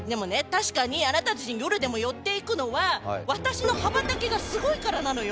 確かにあなたたちに夜でも寄っていくのは私の羽ばたきがスゴいからなのよ。